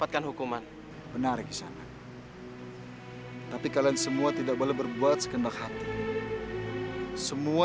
allah akan mengampuni semua dosa dosa